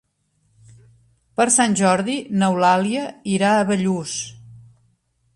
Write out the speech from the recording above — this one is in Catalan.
Per Sant Jordi n'Eulàlia irà a Bellús.